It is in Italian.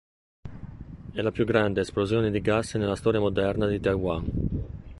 È la più grande esplosione di gas nella storia moderna di Taiwan.